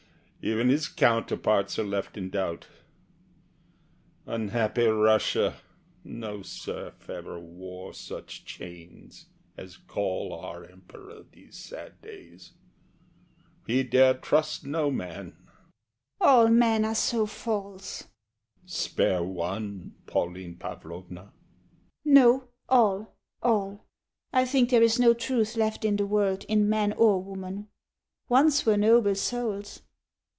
Even his counterparts are left in doubt. Unhappy Russia! No serf ever wore Such chains as gall our Emperor these sad days. He dare trust no man. SHE. All men are so false. HE. Spare one, Pauline Pavlovna. SHE. No; all, all! I think there is no truth left in the world, In man or woman. Once were noble souls.